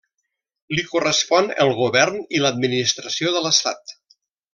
Li correspon el govern i l'administració de l'Estat.